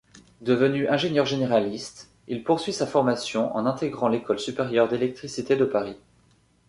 Devenu ingénieur généraliste, il poursuit sa formation en intégrant l’École supérieure d'électricité de Paris.